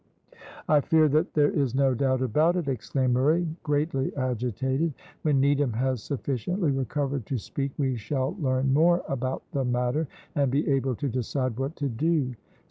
"I fear that there is no doubt about it!" exclaimed Murray, greatly agitated. "When Needham has sufficiently recovered to speak we shall learn more about the matter, and be able to decide what to do.